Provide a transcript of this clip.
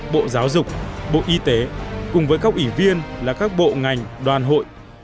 bộ giáo dục bộ y tế cùng với các ủy viên là các bộ ngành đoàn hội